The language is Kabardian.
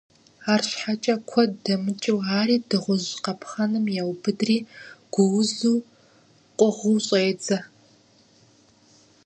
АрщхьэкӀэ, куэд имыкӀуу ари дыгъужь къапхъэным еубыдри гуузу къугъыу щӀедзэ.